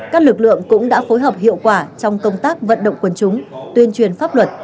các lực lượng cũng đã phối hợp hiệu quả trong công tác vận động quân chúng tuyên truyền pháp luật